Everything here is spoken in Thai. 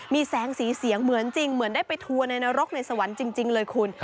มีแสงสีเสียงเหมือนจริงเหมือนได้ไปทัวร์ในนรกในสวรรค์จริงเลยคุณ